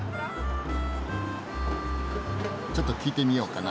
ちょっと聞いてみようかな。